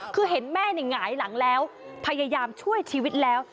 คือเห็นแม่หงายหลังแล้วพยายามช่วยชีวิตแล้ว